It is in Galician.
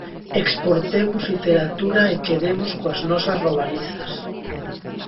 Exportemos literatura e quedemos coas nosas robalizas.